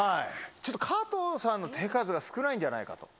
ちょっと加藤さんの手数が少ないんじゃないかと。